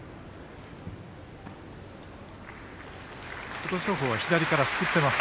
琴勝峰は左からすくっています。